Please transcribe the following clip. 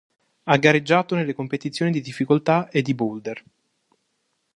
Ha gareggiato nelle competizioni di difficoltà e di boulder.